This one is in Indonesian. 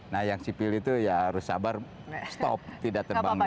nah yang sipil itu ya harus sabar stop tidak terbangun